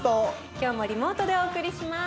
今日もリモートでお送りします。